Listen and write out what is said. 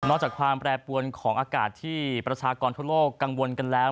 จากความแปรปวนของอากาศที่ประชากรทั่วโลกกังวลกันแล้ว